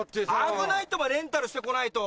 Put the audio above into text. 危ないってお前レンタルしてこないと。